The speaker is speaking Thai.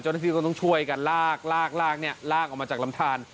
เจ้าหน้าที่ก็ต้องช่วยกันลากลากเนี่ยลากออกมาจากลำทาน